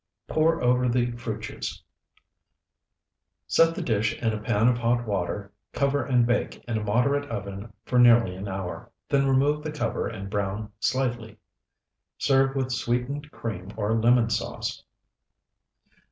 Pour over the fruit juice. Set the dish in a pan of hot water; cover and bake in a moderate oven for nearly an hour; then remove the cover and brown lightly. Serve with sweetened cream or lemon sauce.